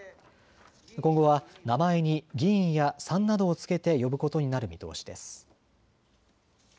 今後は名前に議員やさんなどを付けて呼ぶことになる見通しです。